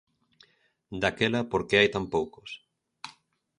Daquela, por que hai tan poucos?